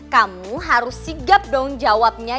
kamu harus sigap dong jawabnya